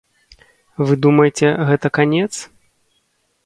Вы думаеце, гэта канец?